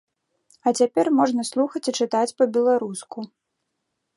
А цяпер можна слухаць і чытаць па-беларуску.